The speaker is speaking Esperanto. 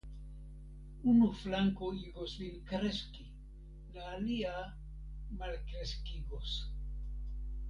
Unu flanko igos vin kreski, la alia malkreskigos.